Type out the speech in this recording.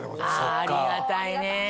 ありがたいね！